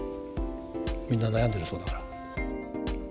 みんな悩んでるそうだから。